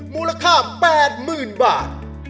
มูลค่า๘๐๐๐บาท